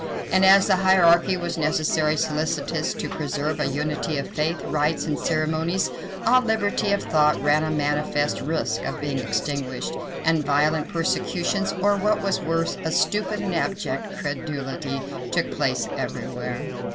And as the hierarchy was necessarily solicitous to preserve a unity of faith, rites, and ceremonies, all liberty of thought ran a manifest risk of being extinguished; and violent persecutions, or, what was worse, a stupid and abject credulity, took place every where.